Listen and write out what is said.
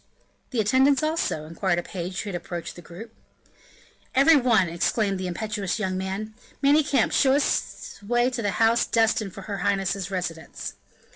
"The attendants also?" inquired a page who had approached the group. "Every one," exclaimed the impetuous young man. "Manicamp, show us the way to the house destined for her royal highness's residence."